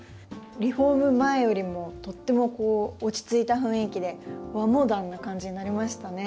リフォーム前よりもとっても落ち着いた雰囲気で和モダンな感じになりましたね。